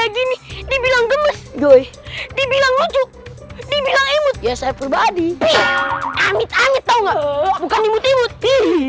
gini dibilang gemes dibilang lucu dibilang ya saya perbadi amit amit tahu bukan imut imut